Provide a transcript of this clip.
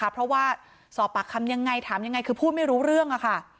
เพราะว่าสอบปากคำยังไงถามยังไงคือพูดไม่รู้เรื่องค่ะ